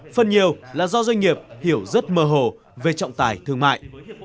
phần nhiều là do doanh nghiệp hiểu rất mơ hồ về trọng tài thương mại